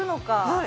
はい。